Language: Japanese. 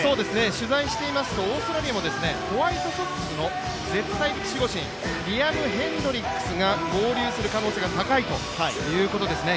取材していますとオーストラリアもホワイトソックスの絶対的守護神、ヘンドリックスが合流する可能性が高いということですね。